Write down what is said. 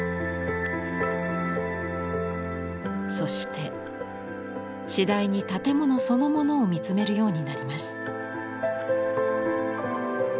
そして次第に建物そのものを見つめるようになります。